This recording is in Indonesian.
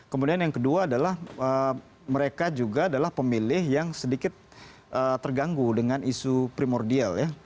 kemudian yang kedua adalah mereka juga adalah pemilih yang sedikit terganggu dengan isu primordial ya